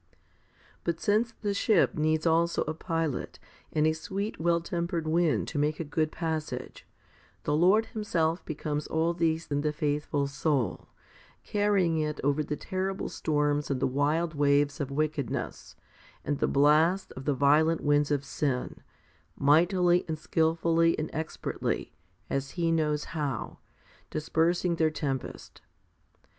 7. But since the ship needs also a pilot, and a sweet, well tempered wind to make a good passage, the Lord Himself becomes all these in the faithful soul, carrying it over the terrible storms and the wild waves of wickedness, and the blasts of the violent winds of sin, mightily and skilfully and expertly, as He knows how, dispersing their HOMILY XLIV 279 tempest.